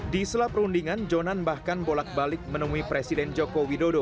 di sela perundingan jonan bahkan bolak balik menemui presiden joko widodo